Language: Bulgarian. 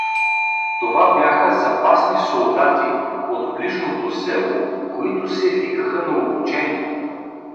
Това бяха запасни солдати от ближното село, които се викаха на обучение.